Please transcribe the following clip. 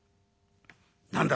「何だ